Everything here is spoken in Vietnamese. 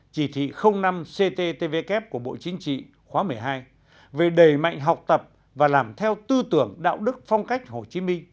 chỉ thị năm cttvk của bộ chính trị khóa một mươi hai về đầy mạnh học tập và làm theo tư tưởng đạo đức phong cách hồ chí minh